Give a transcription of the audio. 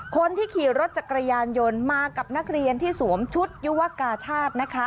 คนที่ขี่รถจักรยานยนต์มากับนักเรียนที่สวมชุดยุวกาชาตินะคะ